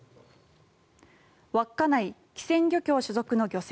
稚内機船漁協所属の漁船